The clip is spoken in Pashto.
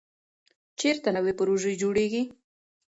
چېرته نوې پروژې جوړېږي؟